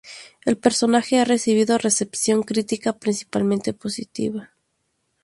El personaje ha recibido recepción crítica principalmente positiva.